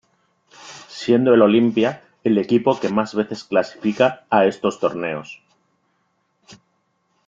Siendo el Olimpia el equipo que más veces clasifica a estos torneos.